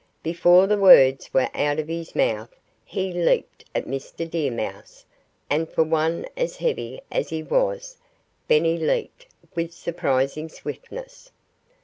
Before the words were out of his mouth he leaped at Mr. Deer Mouse. And for one as heavy as he was, Benny leaped with surprising swiftness.